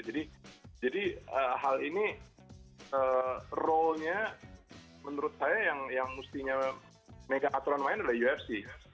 jadi hal ini role nya menurut saya yang mestinya menggunakan aturan main adalah ufc